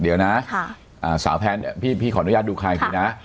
เดี๋ยวนะสาวแพนพี่ขออนุญาตดูใครอีกทีนะ